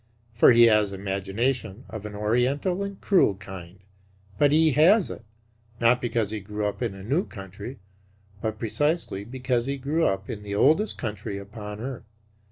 For he has imagination, of an oriental and cruel kind, but he has it, not because he grew up in a new country, but precisely because he grew up in the oldest country upon earth.